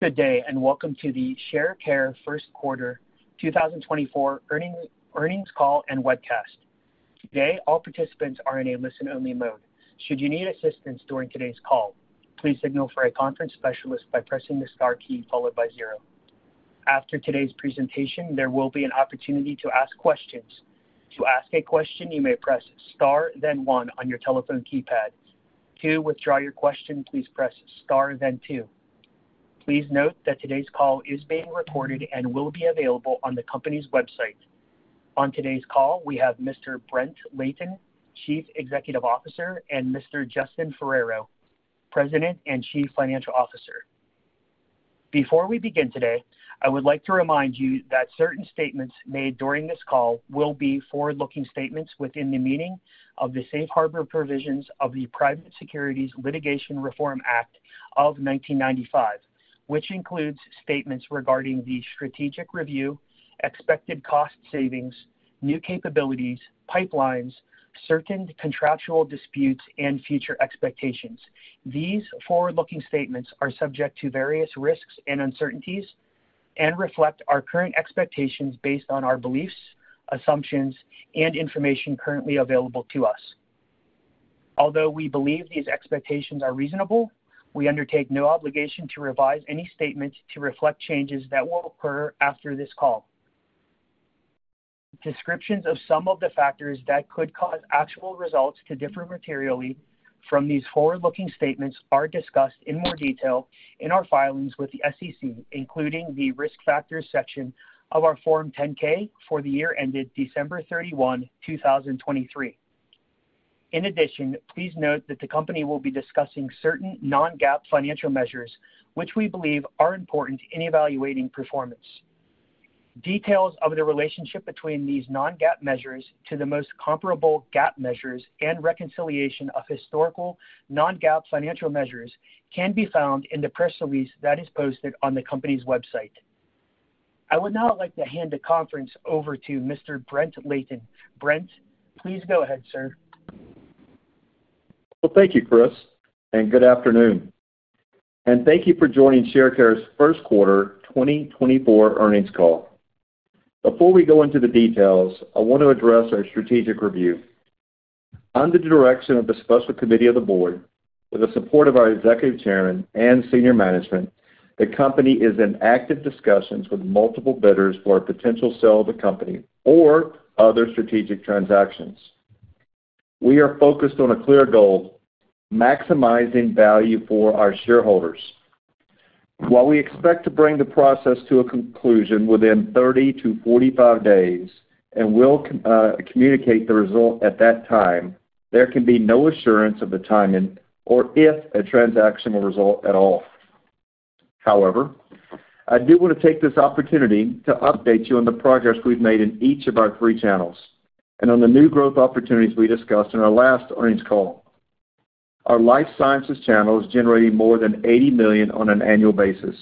Good day, and welcome to the Sharecare first quarter 2024 earnings call and webcast. Today, all participants are in a listen-only mode. Should you need assistance during today's call, please signal for a conference specialist by pressing the star key followed by zero. After today's presentation, there will be an opportunity to ask questions. To ask a question, you may press star, then one on your telephone keypad. To withdraw your question, please press star, then two. Please note that today's call is being recorded and will be available on the company's website. On today's call, we have Mr. Brent Layton, Chief Executive Officer, and Mr. Justin Ferrero, President and Chief Financial Officer. Before we begin today, I would like to remind you that certain statements made during this call will be forward-looking statements within the meaning of the Safe Harbor provisions of the Private Securities Litigation Reform Act of 1995, which includes statements regarding the strategic review, expected cost savings, new capabilities, pipelines, certain contractual disputes, and future expectations. These forward-looking statements are subject to various risks and uncertainties and reflect our current expectations based on our beliefs, assumptions, and information currently available to us. Although we believe these expectations are reasonable, we undertake no obligation to revise any statements to reflect changes that will occur after this call. Descriptions of some of the factors that could cause actual results to differ materially from these forward-looking statements are discussed in more detail in our filings with the SEC, including the Risk Factors section of our Form 10-K for the year ended December 31, 2023. In addition, please note that the company will be discussing certain non-GAAP financial measures, which we believe are important in evaluating performance. Details of the relationship between these non-GAAP measures to the most comparable GAAP measures and reconciliation of historical non-GAAP financial measures can be found in the press release that is posted on the company's website. I would now like to hand the conference over to Mr. Brent Layton. Brent, please go ahead, sir. Well, thank you, Chris, and good afternoon, and thank you for joining Sharecare's first quarter 2024 earnings call. Before we go into the details, I want to address our strategic review. Under the direction of the Special Committee of the Board, with the support of our Executive Chairman and senior management, the company is in active discussions with multiple bidders for a potential sale of the company or other strategic transactions. We are focused on a clear goal: maximizing value for our shareholders. While we expect to bring the process to a conclusion within 30-45 days and will communicate the result at that time, there can be no assurance of the timing or if a transaction will result at all. However, I do want to take this opportunity to update you on the progress we've made in each of our three channels and on the new growth opportunities we discussed in our last earnings call. Our life sciences channel is generating more than $80 million on an annual basis.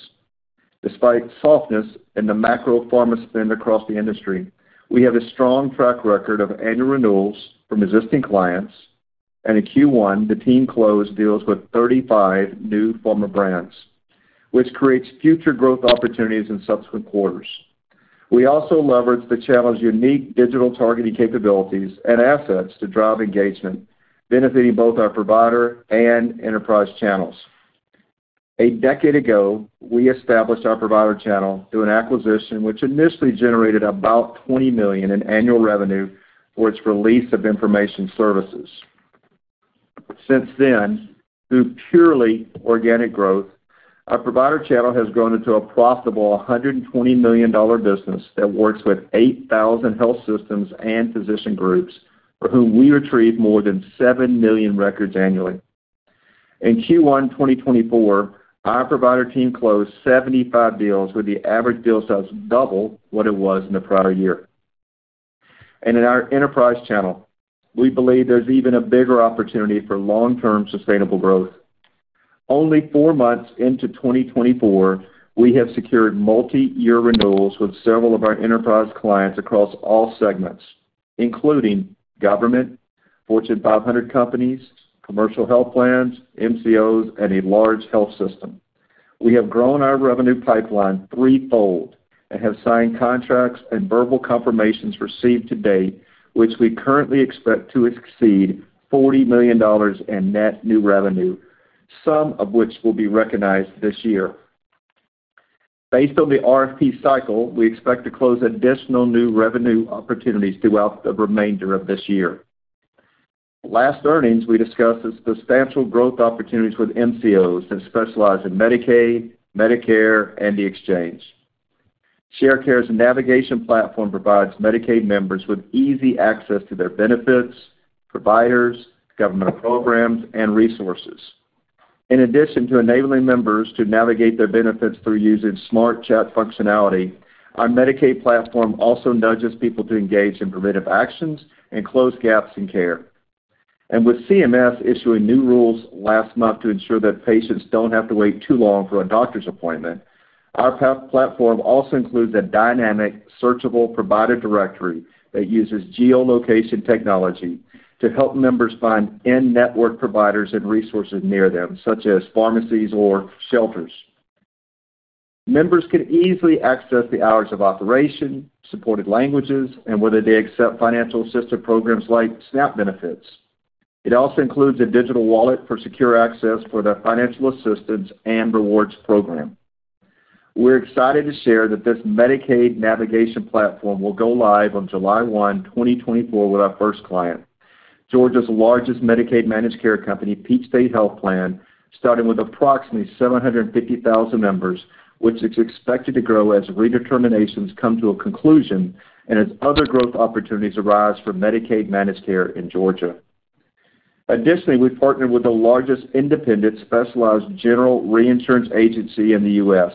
Despite softness in the macro pharma spend across the industry, we have a strong track record of annual renewals from existing clients, and in Q1, the team closed deals with 35 new pharma brands, which creates future growth opportunities in subsequent quarters. We also leveraged the channel's unique digital targeting capabilities and assets to drive engagement, benefiting both our provider and enterprise channels. A decade ago, we established our provider channel through an acquisition, which initially generated about $20 million in annual revenue for its release of information services. Since then, through purely organic growth, our provider channel has grown into a profitable $120 million business that works with 8,000 health systems and physician groups for whom we retrieve more than seven million records annually. In Q1 2024, our provider team closed 75 deals, with the average deal size double what it was in the prior year. And in our enterprise channel, we believe there's even a bigger opportunity for long-term sustainable growth. Only four months into 2024, we have secured multiyear renewals with several of our enterprise clients across all segments, including government, Fortune 500 companies, commercial health plans, MCOs, and a large health system. We have grown our revenue pipeline threefold and have signed contracts and verbal confirmations received to date, which we currently expect to exceed $40 million in net new revenue, some of which will be recognized this year. Based on the RFP cycle, we expect to close additional new revenue opportunities throughout the remainder of this year. Last earnings, we discussed the substantial growth opportunities with MCOs that specialize in Medicaid, Medicare, and the exchange. Sharecare's navigation platform provides Medicaid members with easy access to their benefits, providers, government programs, and resources. In addition to enabling members to navigate their benefits through using smart chat functionality, our Medicaid platform also nudges people to engage in preventive actions and close gaps in care. With CMS issuing new rules last month to ensure that patients don't have to wait too long for a doctor's appointment, our Path platform also includes a dynamic, searchable provider directory that uses geolocation technology to help members find in-network providers and resources near them, such as pharmacies or shelters. Members can easily access the hours of operation, supported languages, and whether they accept financial assistance programs like SNAP benefits. It also includes a digital wallet for secure access for their financial assistance and rewards program. We're excited to share that this Medicaid navigation platform will go live on July 1, 2024, with our first client, Georgia's largest Medicaid managed care company, Peach State Health Plan, starting with approximately 750,000 members, which is expected to grow as redeterminations come to a conclusion and as other growth opportunities arise for Medicaid managed care in Georgia. Additionally, we partnered with the largest independent, specialized general reinsurance agency in the U.S.,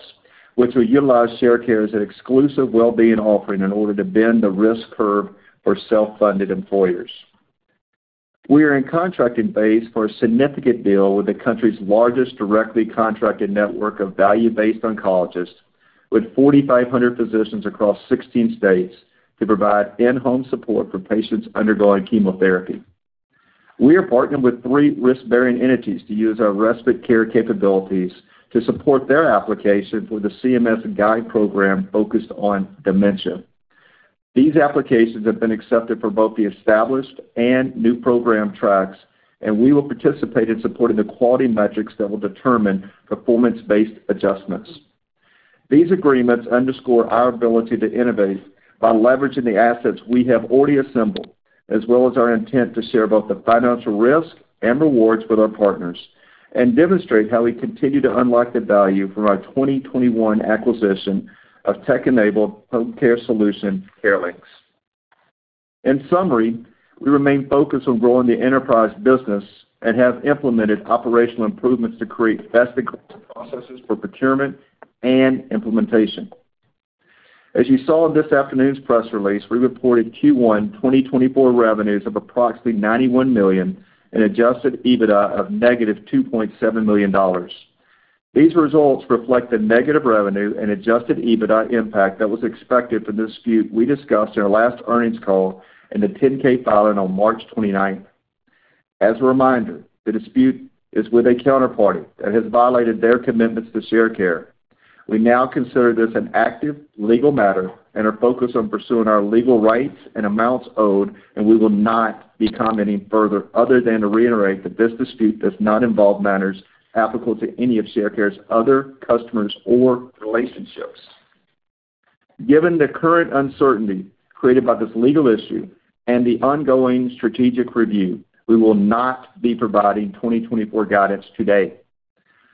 which will utilize Sharecare as an exclusive well-being offering in order to bend the risk curve for self-funded employers. We are in contracting phase for a significant deal with the country's largest directly contracted network of value-based oncologists, with 4,500 physicians across 16 states, to provide in-home support for patients undergoing chemotherapy. We are partnering with three risk-bearing entities to use our respite care capabilities to support their application for the CMS GUIDE program focused on dementia. These applications have been accepted for both the established and new program tracks, and we will participate in supporting the quality metrics that will determine performance-based adjustments. These agreements underscore our ability to innovate by leveraging the assets we have already assembled, as well as our intent to share both the financial risk and rewards with our partners, and demonstrate how we continue to unlock the value from our 2021 acquisition of tech-enabled home care solution, CareLinx. In summary, we remain focused on growing the enterprise business and have implemented operational improvements to create best-in-class processes for procurement and implementation. As you saw in this afternoon's press release, we reported Q1 2024 revenues of approximately $91 million and adjusted EBITDA of -$2.7 million. These results reflect the negative revenue and adjusted EBITDA impact that was expected for the dispute we discussed in our last earnings call and the 10-K filing on March 29th. As a reminder, the dispute is with a counterparty that has violated their commitments to Sharecare. We now consider this an active legal matter and are focused on pursuing our legal rights and amounts owed, and we will not be commenting further, other than to reiterate that this dispute does not involve matters applicable to any of Sharecare's other customers or relationships. Given the current uncertainty created by this legal issue and the ongoing strategic review, we will not be providing 2024 guidance today.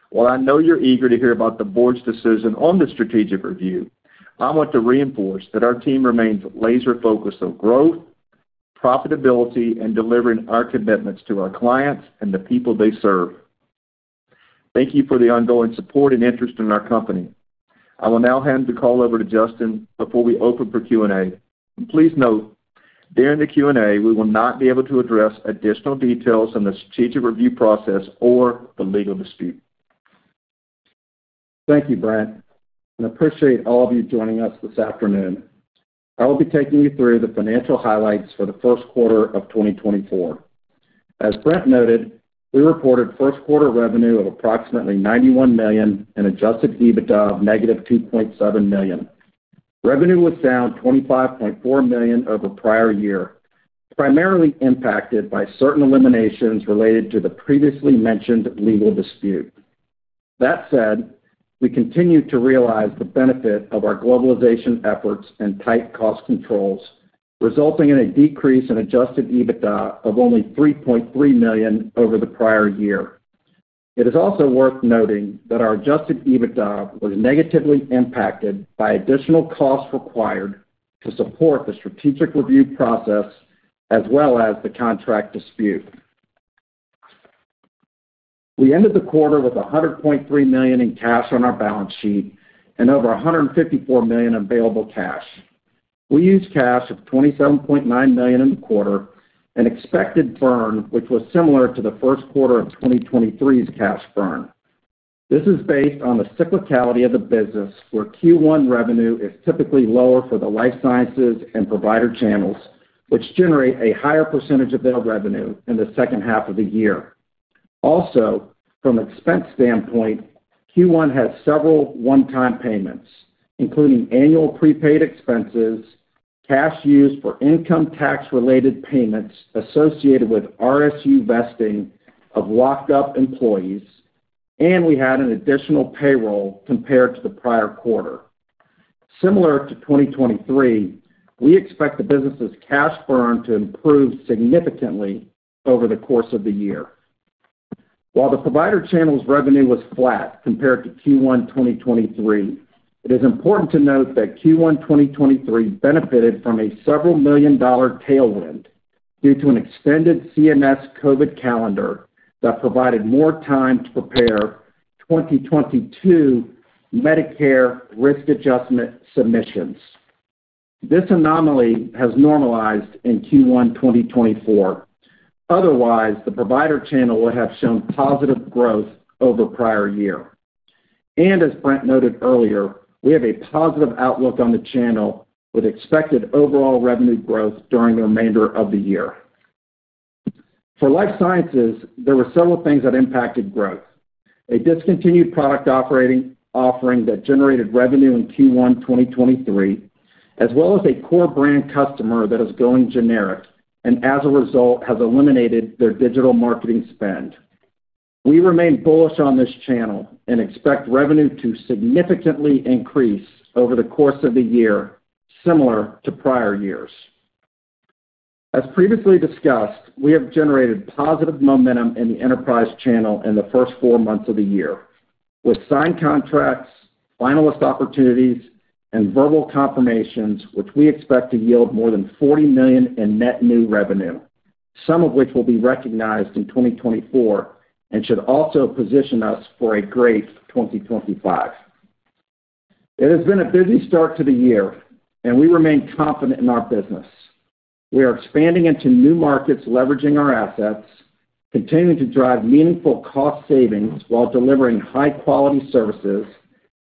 While I know you're eager to hear about the board's decision on the strategic review, I want to reinforce that our team remains laser-focused on growth, profitability, and delivering our commitments to our clients and the people they serve. Thank you for the ongoing support and interest in our company. I will now hand the call over to Justin before we open for Q&A. Please note, during the Q&A, we will not be able to address additional details on the strategic review process or the legal dispute. Thank you, Brent, and appreciate all of you joining us this afternoon. I will be taking you through the financial highlights for the first quarter of 2024. As Brent noted, we reported first quarter revenue of approximately $91 million and adjusted EBITDA of -$2.7 million. Revenue was down $25.4 million over prior year, primarily impacted by certain eliminations related to the previously mentioned legal dispute. That said, we continued to realize the benefit of our globalization efforts and tight cost controls, resulting in a decrease in adjusted EBITDA of only $3.3 million over the prior year. It is also worth noting that our adjusted EBITDA was negatively impacted by additional costs required to support the strategic review process, as well as the contract dispute. We ended the quarter with $100.3 million in cash on our balance sheet and over $154 million available cash. We used cash of $27.9 million in the quarter, an expected burn, which was similar to the first quarter of 2023's cash burn. This is based on the cyclicality of the business, where Q1 revenue is typically lower for the life sciences and provider channels, which generate a higher percentage of their revenue in the second half of the year. Also, from an expense standpoint, Q1 had several one-time payments, including annual prepaid expenses, cash used for income tax-related payments associated with RSU vesting of locked-up employees, and we had an additional payroll compared to the prior quarter. Similar to 2023, we expect the business's cash burn to improve significantly over the course of the year. While the provider channel's revenue was flat compared to Q1 2023, it is important to note that Q1 2023 benefited from a several-million-dollar tailwind due to an extended CMS COVID calendar that provided more time to prepare 2022 Medicare risk adjustment submissions. This anomaly has normalized in Q1 2024. Otherwise, the provider channel would have shown positive growth over prior year. As Brent noted earlier, we have a positive outlook on the channel, with expected overall revenue growth during the remainder of the year. For life sciences, there were several things that impacted growth. A discontinued product offering that generated revenue in Q1 2023, as well as a core brand customer that is going generic, and as a result, has eliminated their digital marketing spend. We remain bullish on this channel and expect revenue to significantly increase over the course of the year, similar to prior years. As previously discussed, we have generated positive momentum in the enterprise channel in the first four months of the year, with signed contracts, finalist opportunities, and verbal confirmations, which we expect to yield more than $40 million in net new revenue, some of which will be recognized in 2024 and should also position us for a great 2025. It has been a busy start to the year, and we remain confident in our business. We are expanding into new markets, leveraging our assets, continuing to drive meaningful cost savings while delivering high-quality services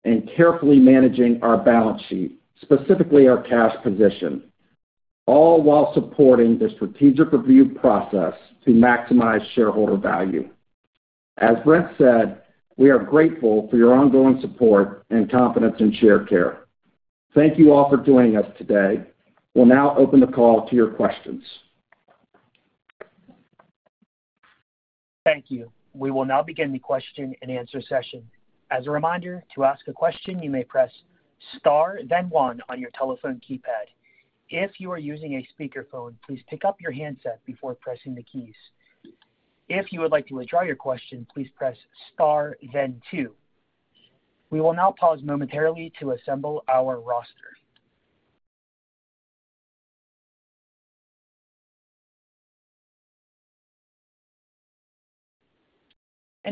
and carefully managing our balance sheet, specifically our cash position, all while supporting the strategic review process to maximize shareholder value. As Brent said, we are grateful for your ongoing support and confidence in Sharecare. Thank you all for joining us today. We'll now open the call to your questions. Thank you. We will now begin the question and answer session. As a reminder, to ask a question, you may press Star, then one on your telephone keypad. If you are using a speakerphone, please pick up your handset before pressing the keys. If you would like to withdraw your question, please press Star then two. We will now pause momentarily to assemble our roster.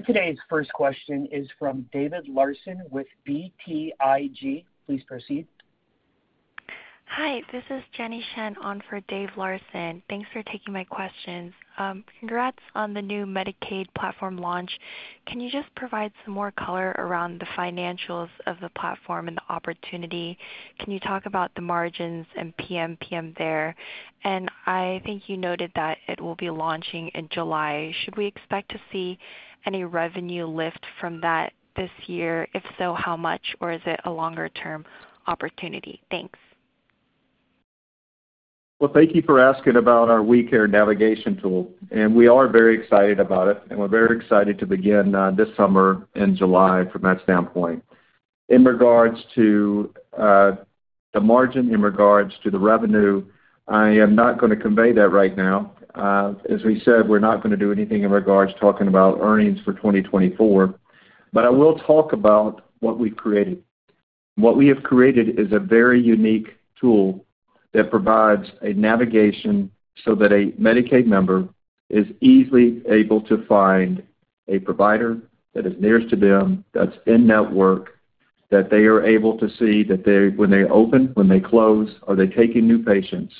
Today's first question is from David Larson with BTIG. Please proceed. Hi, this is Jenny Shen on for Dave Larson. Thanks for taking my questions. Congrats on the new Medicaid platform launch. Can you just provide some more color around the financials of the platform and the opportunity? Can you talk about the margins and PMPM there? And I think you noted that it will be launching in July. Should we expect to see any revenue lift from that this year? If so, how much? Or is it a longer-term opportunity? Thanks. Well, thank you for asking about our WellCare navigation tool, and we are very excited about it, and we're very excited to begin this summer in July from that standpoint. In regards to the margin, in regards to the revenue, I am not gonna convey that right now. As we said, we're not gonna do anything in regards to talking about earnings for 2024, but I will talk about what we've created. What we have created is a very unique tool that provides a navigation so that a Medicaid member is easily able to find a provider that is nearest to them, that's in-network, that they are able to see when they open, when they close, are they taking new patients?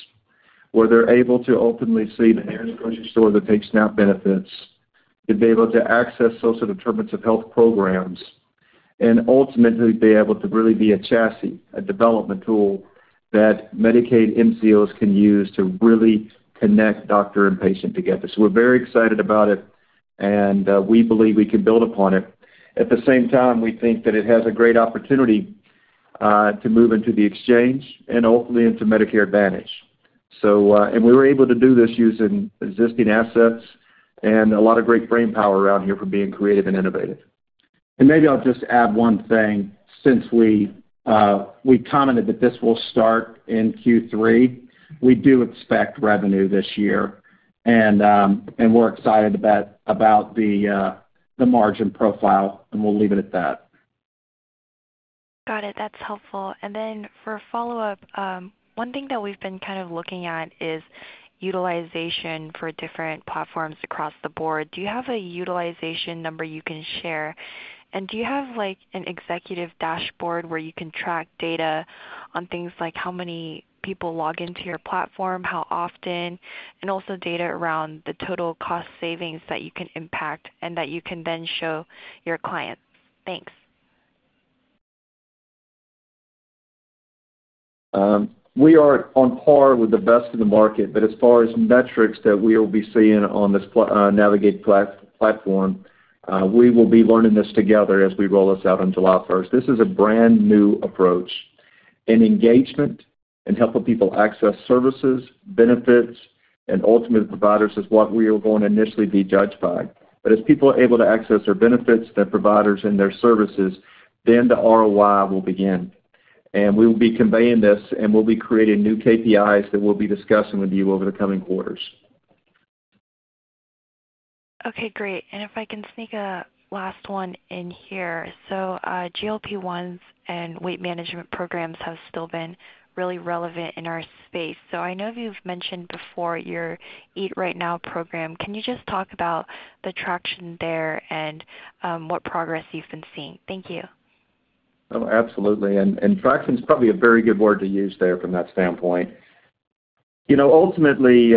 Where they're able to openly see the nearest grocery store that takes SNAP benefits, to be able to access social determinants of health programs, and ultimately, be able to really be a chassis, a development tool that Medicaid MCOs can use to really connect doctor and patient together. So we're very excited about it, and, we believe we can build upon it. At the same time, we think that it has a great opportunity, to move into the exchange and ultimately into Medicare Advantage. So, and we were able to do this using existing assets and a lot of great brainpower around here for being creative and innovative. And maybe I'll just add one thing, since we commented that this will start in Q3. We do expect revenue this year, and we're excited about the margin profile, and we'll leave it at that. Got it. That's helpful. And then for a follow-up, one thing that we've been kind of looking at is utilization for different platforms across the board. Do you have a utilization number you can share? And do you have, like, an executive dashboard where you can track data on things like how many people log into your platform, how often, and also data around the total cost savings that you can impact and that you can then show your clients? Thanks. We are on par with the best in the market, but as far as metrics that we'll be seeing on this Navigate platform, we will be learning this together as we roll this out on July first. This is a brand-new approach, and engagement and helping people access services, benefits, and ultimately, providers is what we are going to initially be judged by. But as people are able to access their benefits, their providers, and their services, then the ROI will begin. And we will be conveying this, and we'll be creating new KPIs that we'll be discussing with you over the coming quarters. Okay, great. And if I can sneak a last one in here. So, GLP-1s and weight management programs have still been really relevant in our space. So I know you've mentioned before your Eat Right Now program. Can you just talk about the traction there and what progress you've been seeing? Thank you. Oh, absolutely. And, and traction is probably a very good word to use there from that standpoint. You know, ultimately,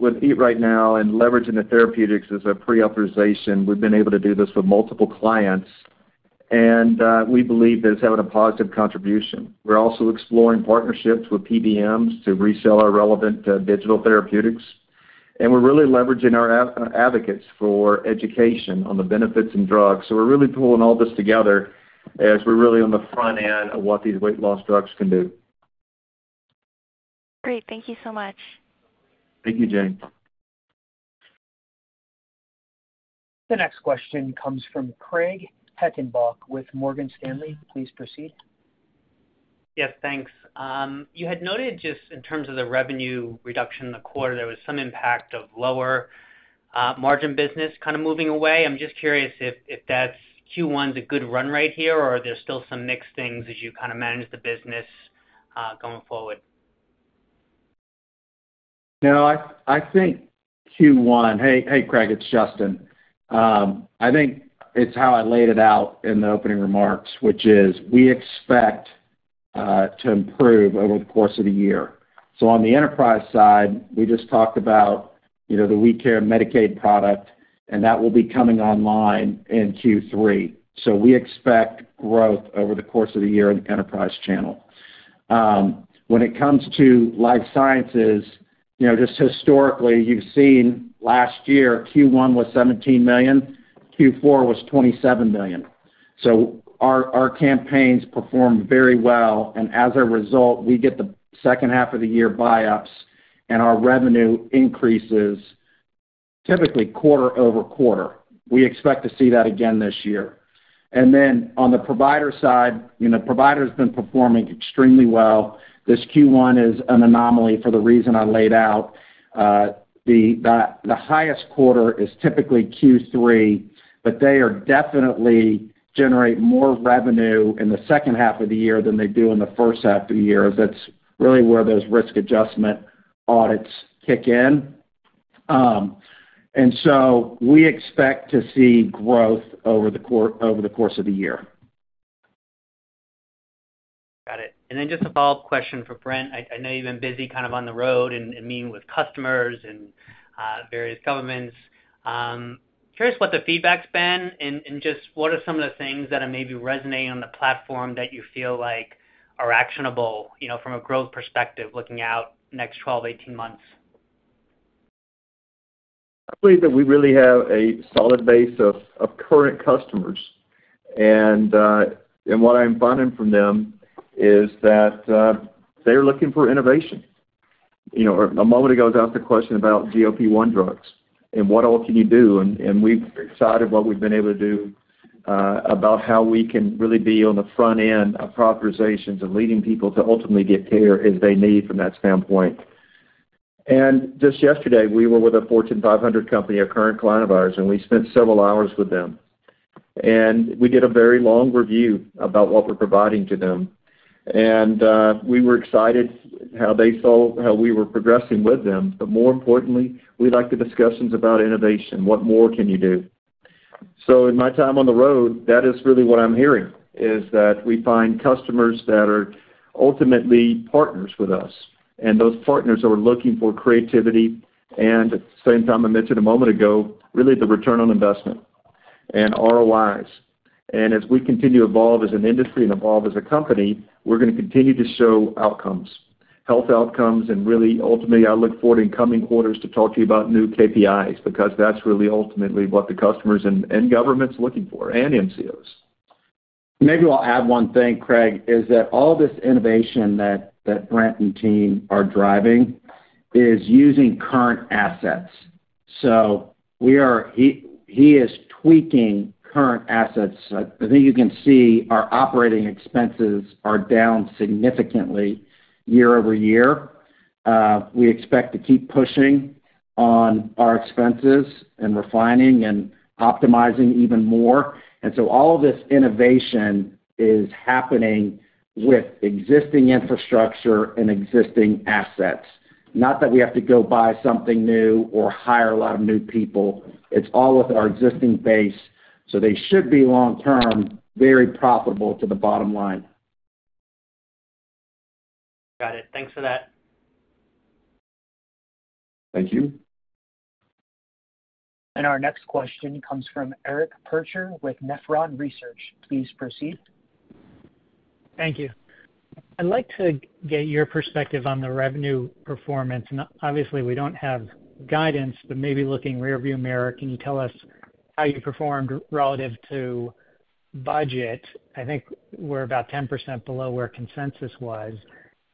with Eat Right Now and leveraging the therapeutics as a pre-authorization, we've been able to do this with multiple clients.... and we believe that it's having a positive contribution. We're also exploring partnerships with PBMs to resell our relevant digital therapeutics, and we're really leveraging our advocates for education on the benefits in drugs. So we're really pulling all this together as we're really on the front end of what these weight loss drugs can do. Great. Thank you so much. Thank you, Jane. The next question comes from Craig Hettenbach with Morgan Stanley. Please proceed. Yes, thanks. You had noted, just in terms of the revenue reduction in the quarter, there was some impact of lower margin business kind of moving away. I'm just curious if, if that's Q1's a good run rate here, or are there still some mixed things as you kind of manage the business going forward? No, I think Q1. Hey, hey, Craig, it's Justin. I think it's how I laid it out in the opening remarks, which is, we expect to improve over the course of the year. So on the enterprise side, we just talked about, you know, the WellCare Medicaid product, and that will be coming online in Q3. So we expect growth over the course of the year in the enterprise channel. When it comes to life sciences, you know, just historically, you've seen last year, Q1 was $17 million, Q4 was $27 million. So our campaigns performed very well, and as a result, we get the second half of the year buy-ups, and our revenue increases typically quarter-over-quarter. We expect to see that again this year. And then on the provider side, you know, provider's been performing extremely well. This Q1 is an anomaly for the reason I laid out. The highest quarter is typically Q3, but they are definitely generate more revenue in the second half of the year than they do in the first half of the year. That's really where those risk adjustment audits kick in. And so we expect to see growth over the course of the year. Got it. And then just a follow-up question for Brent. I know you've been busy kind of on the road and meeting with customers and various governments. Curious what the feedback's been, and just what are some of the things that are maybe resonating on the platform that you feel like are actionable, you know, from a growth perspective, looking out next 12, 18 months? I believe that we really have a solid base of current customers, and what I'm finding from them is that they're looking for innovation. You know, a moment ago, they asked a question about GLP-1 drugs and what all can you do, and we're excited what we've been able to do about how we can really be on the front end of authorizations and leading people to ultimately get care as they need from that standpoint. And just yesterday, we were with a Fortune 500 company, a current client of ours, and we spent several hours with them. And we were excited how they saw how we were progressing with them. But more importantly, we liked the discussions about innovation. What more can you do? So in my time on the road, that is really what I'm hearing, is that we find customers that are ultimately partners with us, and those partners are looking for creativity, and at the same time, I mentioned a moment ago, really the return on investment and ROIs. And as we continue to evolve as an industry and evolve as a company, we're gonna continue to show outcomes, health outcomes, and really, ultimately, I look forward in coming quarters to talk to you about new KPIs, because that's really ultimately what the customers and, and governments are looking for, and MCOs. Maybe I'll add one thing, Craig, is that all this innovation that Brent and team are driving is using current assets. So we are. He is tweaking current assets. I think you can see our operating expenses are down significantly year-over-year. We expect to keep pushing on our expenses and refining and optimizing even more. And so all of this innovation is happening with existing infrastructure and existing assets. Not that we have to go buy something new or hire a lot of new people. It's all with our existing base, so they should be long-term, very profitable to the bottom line. Got it. Thanks for that. Thank you. Our next question comes from Eric Percher with Nephron Research. Please proceed. Thank you. I'd like to get your perspective on the revenue performance. Obviously, we don't have guidance, but maybe looking rearview mirror, can you tell us how you performed relative to budget? I think we're about 10% below where consensus was.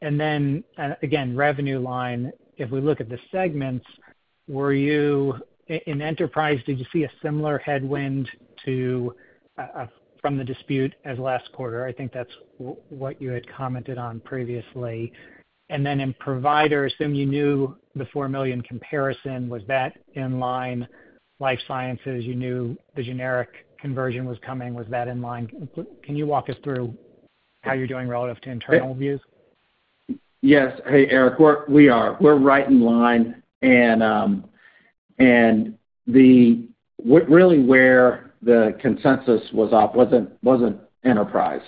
Then, again, revenue line, if we look at the segments, were you in enterprise, did you see a similar headwind to from the dispute as last quarter? I think that's what you had commented on previously. Then in provider, assume you knew the $4 million comparison, was that in line? Life sciences, you knew the generic conversion was coming, was that in line? Can you walk us through how you're doing relative to internal views? Yes. Hey, Eric, we are. We're right in line, and the really where the consensus was off wasn't enterprise.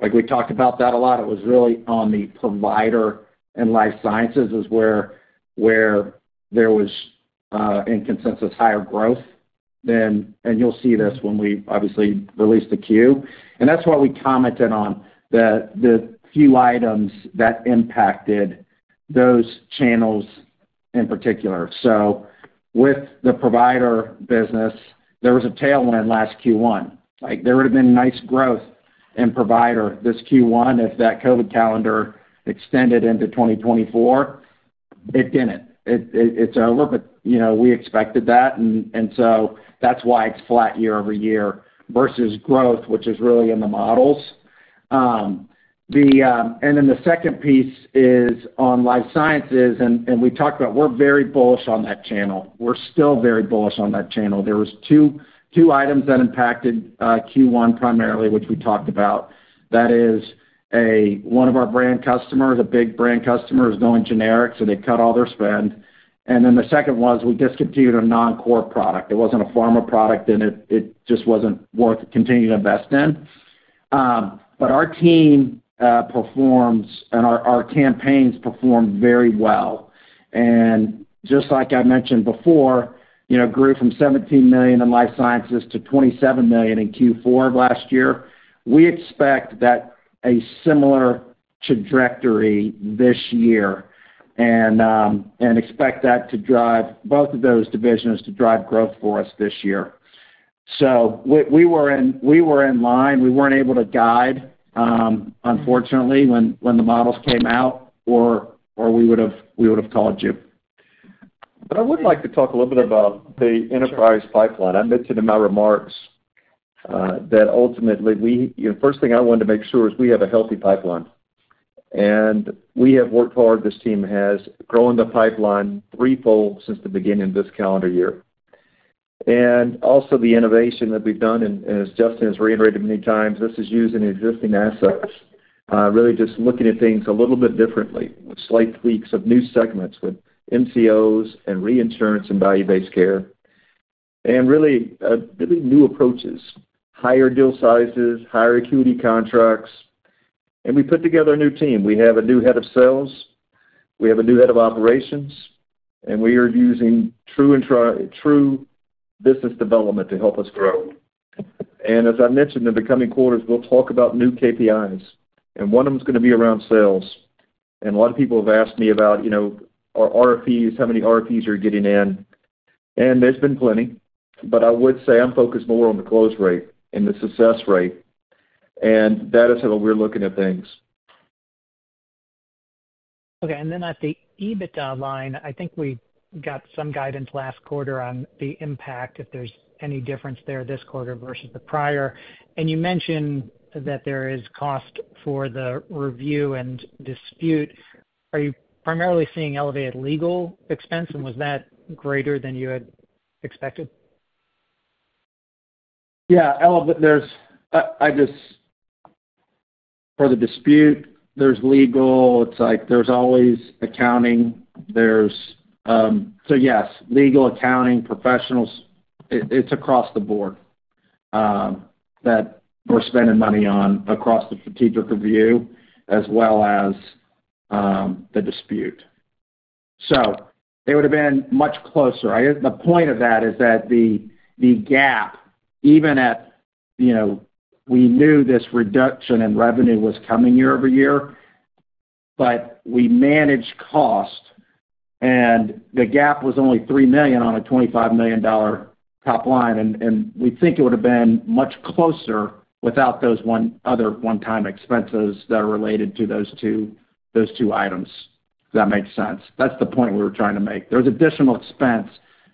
Like we talked about that a lot. It was really on the provider and life sciences is where there was consensus higher growth than, and you'll see this when we obviously release the Q. And that's why we commented on the few items that impacted those channels in particular. So with the provider business, there was a tailwind last Q1. Like, there would have been nice growth in provider this Q1, if that COVID calendar extended into 2024. It didn't. It is a little bit, you know, we expected that, and so that's why it's flat year over year versus growth, which is really in the models. And then the second piece is on life sciences, and we talked about we're very bullish on that channel. We're still very bullish on that channel. There was two items that impacted Q1, primarily, which we talked about. That is, one of our brand customers, a big brand customer, is going generic, so they cut all their spend. And then the second one is we discontinued a non-core product. It wasn't a pharma product, and it just wasn't worth continuing to invest in. But our team performs, and our campaigns perform very well. And just like I mentioned before, you know, grew from $17 million in life sciences to $27 million in Q4 of last year. We expect that a similar trajectory this year, and expect that to drive both of those divisions to drive growth for us this year. So we were in line. We weren't able to guide, unfortunately, when the models came out, or we would have called you. But I would like to talk a little bit about the enterprise pipeline. I mentioned in my remarks that ultimately, we—you know, first thing I wanted to make sure is we have a healthy pipeline. And we have worked hard, this team has, growing the pipeline threefold since the beginning of this calendar year. And also, the innovation that we've done, and as Justin has reiterated many times, this is using existing assets. Really just looking at things a little bit differently, with slight tweaks of new segments, with MCOs and reinsurance and value-based care, and really, really new approaches, higher deal sizes, higher acuity contracts. And we put together a new team. We have a new head of sales, we have a new head of operations, and we are using tried and true business development to help us grow. And as I mentioned, in the coming quarters, we'll talk about new KPIs, and one of them is gonna be around sales. And a lot of people have asked me about, you know, our RFPs, how many RFPs are you getting in? And there's been plenty. But I would say I'm focused more on the close rate and the success rate, and that is how we're looking at things. Okay, and then at the EBITDA line, I think we got some guidance last quarter on the impact, if there's any difference there this quarter versus the prior. And you mentioned that there is cost for the review and dispute. Are you primarily seeing elevated legal expense, and was that greater than you had expected? Yeah, but there's... For the dispute, there's legal, it's like there's always accounting, there's... So yes, legal, accounting, professionals, it, it's across the board, that we're spending money on across the strategic review as well as the dispute. So it would have been much closer. The point of that is that the gap, even at, you know, we knew this reduction in revenue was coming year-over-year, but we managed cost, and the gap was only $3 million on a $25 million top line, and we think it would have been much closer without those other one-time expenses that are related to those two items. Does that make sense? That's the point we were trying to make. There's additional expense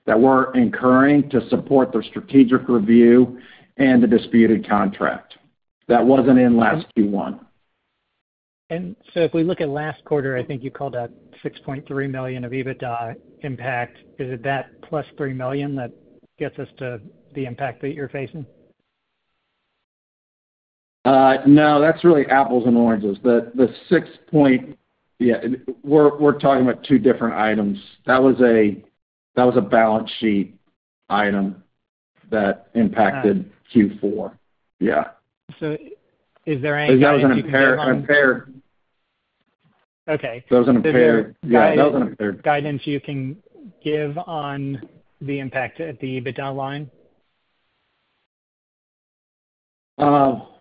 that we're incurring to support the strategic review and the disputed contract. That wasn't in last Q1. If we look at last quarter, I think you called out $6.3 million of EBITDA impact. Is it that plus $3 million that gets us to the impact that you're facing? No, that's really apples and oranges. We're talking about two different items. That was a balance sheet item that impacted- Got it. - Q4. Yeah. Is there any guidance you can give on- Because that was an impairment. Okay. That was an impair- Is there a guide- Yeah, that was an impairment. Guidance you can give on the impact at the EBITDA line?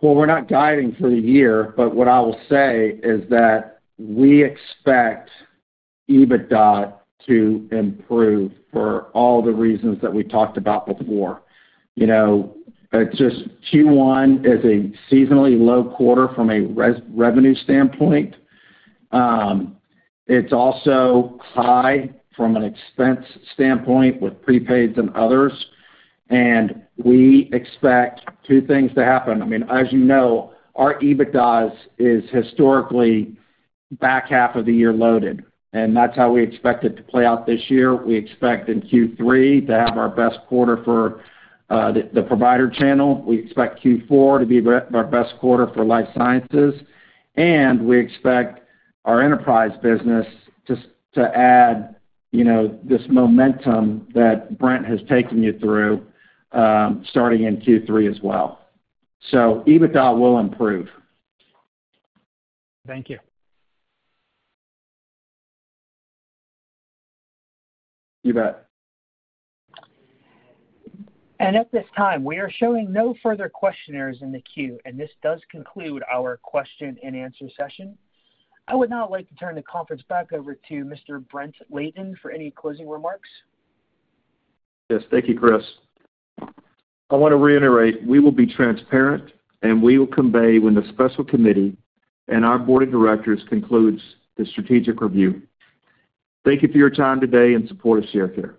Well, we're not guiding for the year, but what I will say is that we expect EBITDA to improve for all the reasons that we talked about before. You know, just Q1 is a seasonally low quarter from a revenue standpoint. It's also high from an expense standpoint with prepaids and others, and we expect two things to happen. I mean, as you know, our EBITDA is historically back half of the year loaded, and that's how we expect it to play out this year. We expect in Q3 to have our best quarter for the provider channel. We expect Q4 to be our best quarter for life sciences, and we expect our enterprise business just to add, you know, this momentum that Brent has taken you through, starting in Q3 as well. So EBITDA will improve. Thank you. You bet. At this time, we are showing no further questioners in the queue, and this does conclude our question and answer session. I would now like to turn the conference back over to Mr. Brent Layton for any closing remarks. Yes. Thank you, Chris. I want to reiterate, we will be transparent, and we will convey when the special committee and our board of directors concludes the strategic review. Thank you for your time today in support of Sharecare.